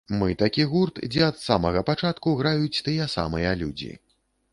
Мы такі гурт, дзе ад самага пачатку граюць тыя самыя людзі.